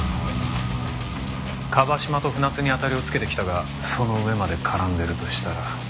椛島と船津に当たりをつけてきたがその上まで絡んでるとしたら？